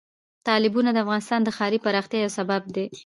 تالابونه د افغانستان د ښاري پراختیا یو سبب دی.